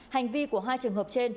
hành vi của hai trường hợp trên